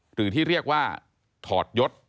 หรือที่เรียกว่าถอดยศ